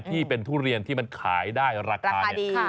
ทุเรียนที่มันขายได้ราคาเนี่ย